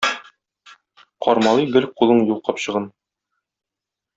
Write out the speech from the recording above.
Кармалый гел кулың юл капчыгын?